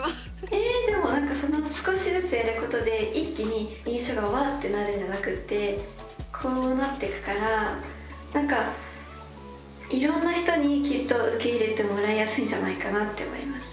えでも少しずつやることで一気に印象がわってなるんじゃなくってこうなっていくからなんかいろんな人にきっと受け入れてもらいやすいんじゃないかなって思います。